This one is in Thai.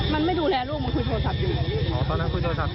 มันไม่ดูแลลูกมันคุยโทรศัพท์อยู่